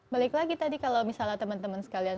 balik lagi tadi kalau misalnya teman teman sekalian